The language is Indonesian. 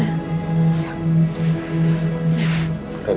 ya mas salah